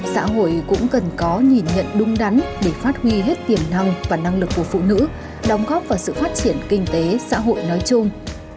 xã hội cũng cần có nhìn nhận đúng đắn để phát huy hết tiềm năng và năng lực của phụ nữ đóng góp vào sự phát triển kinh tế xã hội nói chung